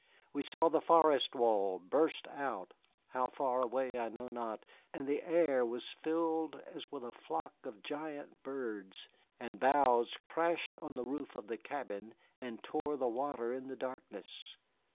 We saw the forest wall burst out how far away I know not and the air was filled as with a flock of giant birds, and boughs crashed on the roof of the cabin and tore the water in the darkness.